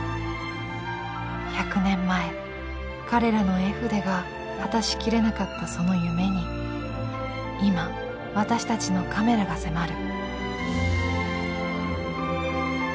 １００年前彼らの絵筆が果たしきれなかったその夢に今私たちのカメラが迫る。